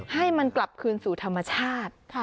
ให้มันกลับคืนสู่ธรรมชาติ